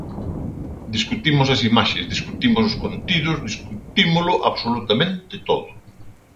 Discutimos as imaxes, discutimos os contidos, discutímolo absolutamente todo.